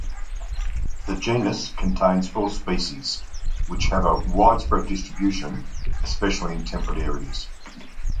The genus contains four species, which have a widespread distribution, especially in temperate areas.